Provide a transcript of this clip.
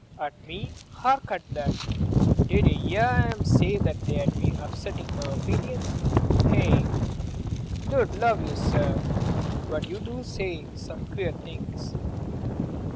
"At me! hark at that! Did ye 'ear 'im say that they'd be upsettin' my opinions?—Eh?—Lud love you, sir, but you do say some queer things."